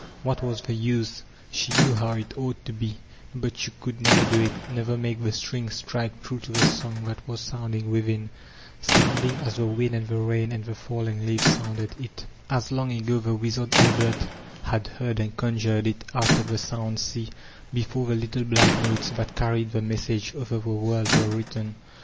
What was the use? She knew how it ought to be, but she could never do it, — never make the strings strike tme to the song that was sounding within, sounding as the wind and the rain and the falling leaves sounded tt, as long ago the wizard Albert had heard and conjured h out of the sound sea, before the little black notes that carried the message over the world were written.